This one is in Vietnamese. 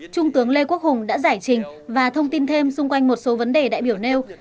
trung tướng lê quốc hùng đã giải trình và thông tin thêm xung quanh một số vấn đề đại biểu nêu